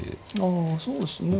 あそうですね。